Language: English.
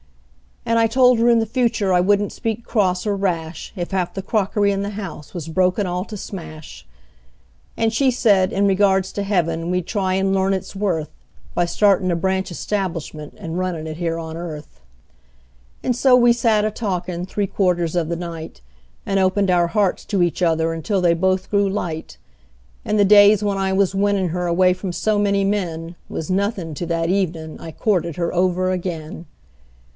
And I told her in the future I wouldn't speak cross or rash If half the crockery in the house was broken all to smash; And she said, in regards to heaven, we'd try and learn its worth By startin' a branch establishment and runnin' it here on earth. And so we sat a talkin' three quarters of the night, And opened our hearts to each other until they both grew light; And the days when I was winnin' her away from so many men Was nothin' to that evenin' I courted her over again.